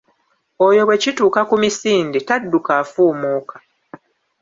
Oyo bw’ekituuka ku misinde, tadduka afuumuuka.